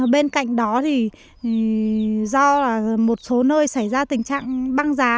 bên cạnh đó thì do là một số nơi xảy ra tình trạng băng giá